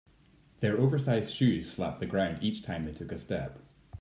Their oversized shoes slapped the ground each time they took a step.